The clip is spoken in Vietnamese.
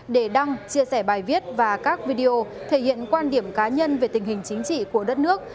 để đăng chia sẻ bài viết và các video thể hiện quan điểm cá nhân về tình hình chính trị của đất nước